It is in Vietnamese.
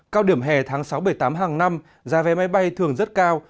cao điểm hè tháng sáu bảy tám hàng năm giá vé máy bay thường rất cao